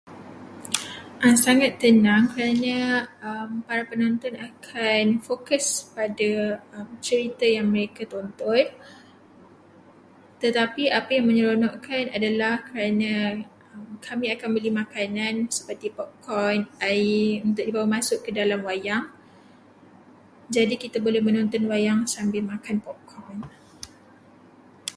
Sangat tenang kerana para penonton akan fokus kepada cerita yang mereka tonton, tetapi apa yang menyeronokkan adalah kerana kami akan membeli makanan seperti popcorn, air untuk dibawa masuk ke dalam wayang. Jadi, kita boleh menonton wayang sambil makan popcorn.